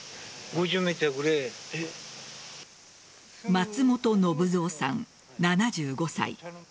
松本信蔵さん、７５歳。